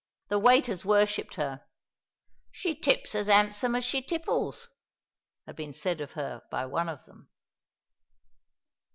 The waiters worshipped her. "She tips as handsome as she tipples," had been said of her by one of them.